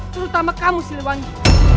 terutama kamu silwangi